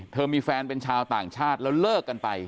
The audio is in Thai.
มีแฟนเป็นชาวต่างชาติแล้วเลิกกันไป